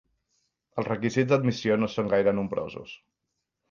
Els requisits d'admissió no són gaire nombrosos.